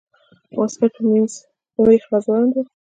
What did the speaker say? واسکټ په مېخ راځوړند ده